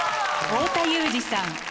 太田裕二さん